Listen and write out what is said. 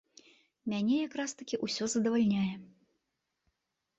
Мяне якраз-такі ўсё задавальняе.